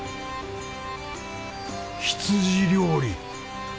羊料理。